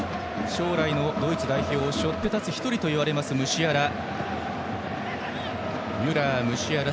将来のドイツ代表を背負って立つ１人といわれるムシアラ。